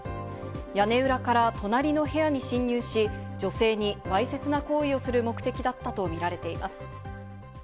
屋根裏から隣の部屋に侵入し、女性にわいせつな行為をする目的だったとみられています。